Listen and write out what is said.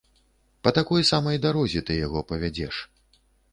Па такой самай дарозе ты яго павядзеш.